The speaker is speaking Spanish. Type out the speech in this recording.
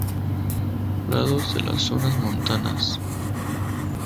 Prados de las zonas montanas.